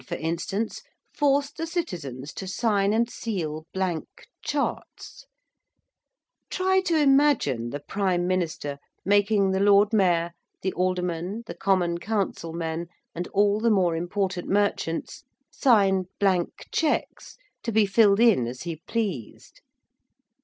for instance, forced the citizens to sign and seal blank 'charts' try to imagine the Prime Minister making the Lord Mayor, the Aldermen, the Common Council men, and all the more important merchants sign blank cheques to be filled in as he pleased!